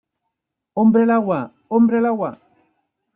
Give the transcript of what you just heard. ¡ hombre al agua! ¡ hombre al agua !